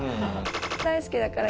大好きだから。